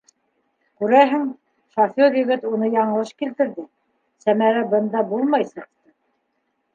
Күрәһең, шофер егет уны яңылыш килтерҙе - Сәмәрә бында булмай сыҡты.